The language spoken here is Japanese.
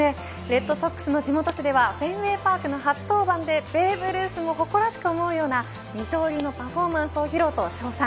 レッドソックスの地元紙ではフェンウェイパークの初登板でベーブ・ルースも誇らしく思うような二刀流のパフォーマンスを披露と称賛。